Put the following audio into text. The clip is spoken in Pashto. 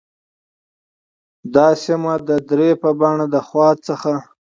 دا سیمه د درې په بڼه د خوات څخه